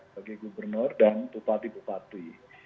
bagi gubernur dan bupati bupati